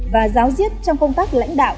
và giáo diết trong công tác lãnh đạo